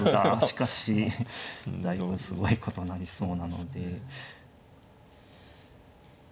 しかしすごいことなりそうなので。